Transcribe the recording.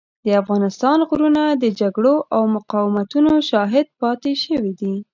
د افغانستان غرونه د جګړو او مقاومتونو شاهد پاتې شوي دي.